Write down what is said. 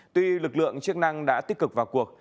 tuy lực lượng chức năng đã tích cực vào cuộc